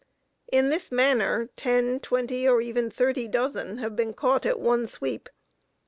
In this manner ten, twenty, and even thirty dozen have been caught at one sweep.